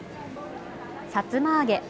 さつま揚げ。